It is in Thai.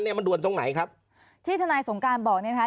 มันด่วนตรงไหนครับที่ทนายสงการบอกเนี่ยนะคะ